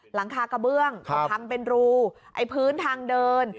หลังคากระเบื้องก็พังเป็นรูไอ้พื้นทางเดิน